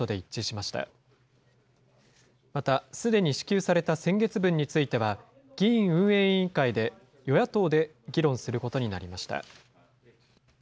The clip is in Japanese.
また、すでに支給された先月分については、議院運営委員会で、与野党で議論することになりました。